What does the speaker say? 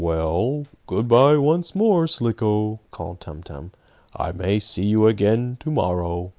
"Well, good bye once more, Slicko," called Tum Tum. "I may see you again to morrow.